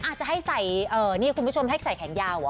อาจจะให้ใส่คุณผู้ชมให้ใส่แขนยาวอ่ะ